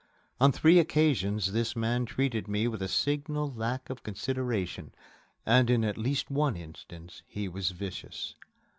On three occasions this man treated me with a signal lack of consideration, and in at least one instance he was vicious.